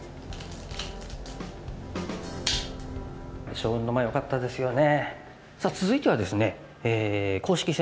祥雲の間よかったですよね。